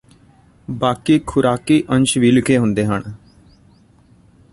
ਬਾਕੀ ਖੁਰਾਕੀ ਅੰਸ਼ ਵੀ ਲਿਖੇ ਹੁੰਦੇ ਹਨ